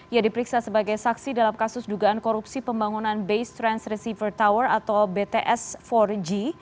ia diperiksa sebagai saksi dalam kasus dugaan korupsi pembangunan base trans receiver tower atau bts empat g